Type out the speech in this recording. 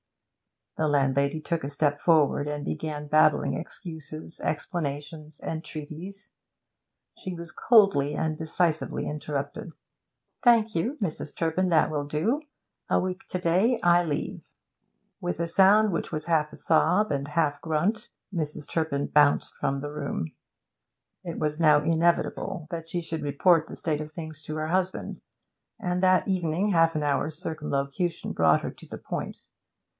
The landlady took a step forward, and began babbling excuses, explanations, entreaties. She was coldly and decisively interrupted. 'Thank you, Mrs. Turpin, that will do. A week to day I leave.' With a sound which was half a sob and half grunt Mrs. Turpin bounced from the room. It was now inevitable that she should report the state of things to her husband, and that evening half an hour's circumlocution brought her to the point.